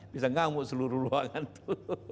bisa ngamuk seluruh ruangan itu